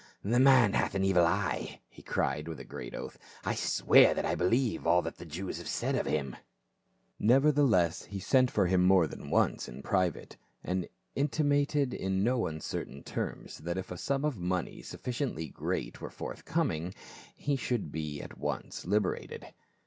" The man hath an evil eye !" he cried with a great oath. " I swear that I believe all that the Jews have said of him." Nevertheless he sent for him more than once in pri PAUL AND FELIX. 413 vate, and intimated in no uncertain terms that if a sum of money sufficiently great were forthcoming, he should be at once liberated.